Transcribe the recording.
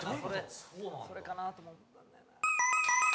それかなと思ったんだよな。